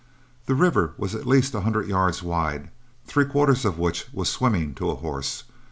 The river was at least a hundred yards wide, three quarters of which was swimming to a horse.